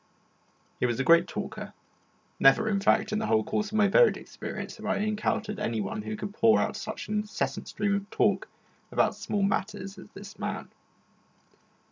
He was a great talker; never, in fact, in the whole course of my varied experience have I encountered anyone who could pour out such an incessant stream of talk about small matters as this man.